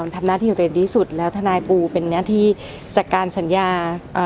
ทำหน้าที่อยู่ใดดีสุดแล้วทนายปูเป็นหน้าที่จัดการสัญญา